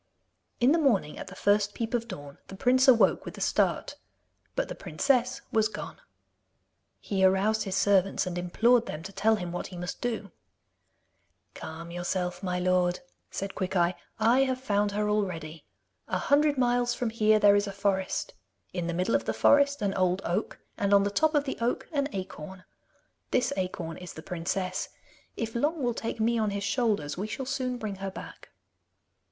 In the morning, at the first peep of dawn, the prince awoke with a start. But the princess was gone. He aroused his servants and implored them to tell him what he must do. 'Calm yourself, my lord,' said Quickeye. 'I have found her already. A hundred miles from here there is a forest. In the middle of the forest, an old oak, and on the top of the oak, an acorn. This acorn is the princess. If Long will take me on his shoulders, we shall soon bring her back.